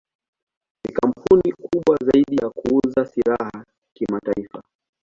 Ni kampuni kubwa zaidi ya kuuza silaha kimataifa.